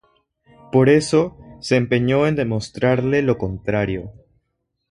Por eso, se empeñó en demostrarle lo contrario.